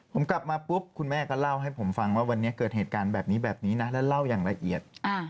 ผมกลับมาปุ๊บคุณแม่ก็เล่าให้ผมฟังว่าวันนี้เกิดเหตุการณ์แบบนี้แบบนี้นะแล้วเล่าอย่างละเอียด